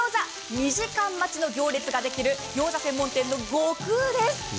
２時間待ちの行列ができる餃子専門店の悟空です。